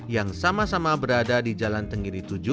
yang sama sama berada di jalan tenggiri tujuh